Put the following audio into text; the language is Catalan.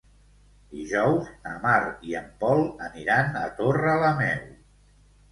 Dijous na Mar i en Pol aniran a Torrelameu.